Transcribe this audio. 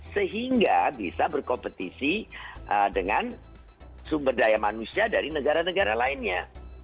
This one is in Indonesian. sehingga bisa berkompetisi dengan sumber daya manusia dari negara negara lainnya